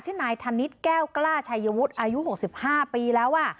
ชื่อนายธนิดแก้วกล้าชายยวุฒิ์อายุหกสิบห้าปีแล้วอ่ะ